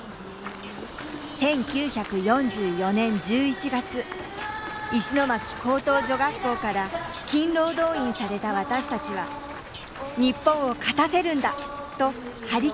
１９４４年１１月石巻高等女学校から勤労動員された私たちは「日本を勝たせるんだ」と張り切っていました